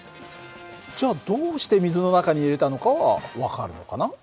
じゃあどうして水の中に入れたのかは分かるのかな？